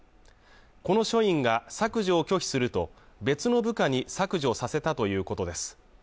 この署員が削除を拒否すると別の部下に削除させたということです